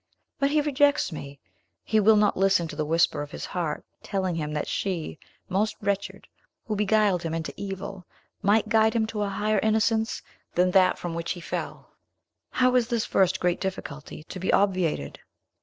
But he rejects me! He will not listen to the whisper of his heart, telling him that she, most wretched, who beguiled him into evil, might guide him to a higher innocence than that from which he fell. How is this first great difficulty to be obviated?"